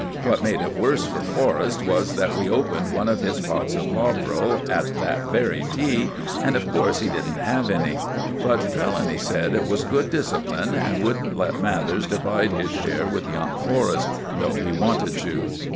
What made it worse for Forrest was that we opened one of his pots of Bovril at that very tea, and of course he didn't have any. But Trelawny said it was good discipline, and wouldn't let Mathers divide his share with young Forrest, though he wanted to.